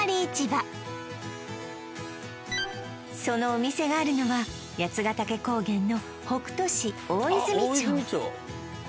そのお店があるのは八ヶ岳高原の北杜市大泉町